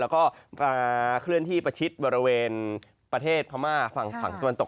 แล้วก็มาเคลื่อนที่ประชิดบริเวณประเทศพม่าฝั่งฝั่งตะวันตก